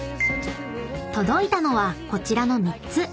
［届いたのはこちらの３つ］